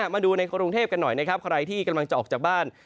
มาดูในกรุงเทพกันหน่อยนะครับใครที่กำลังจะออกจากบ้าน